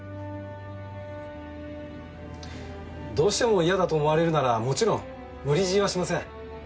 どうしても嫌だと思われるならもちろん無理強いはしません。